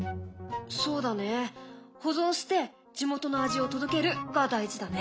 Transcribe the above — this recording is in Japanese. そうだね保存して地元の味を届けるが大事だね。